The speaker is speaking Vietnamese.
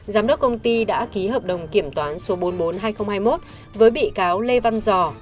giám đốc công ty đã ký hợp đồng kiểm toán số bốn trăm bốn mươi hai nghìn hai mươi một với bị cáo lê văn giò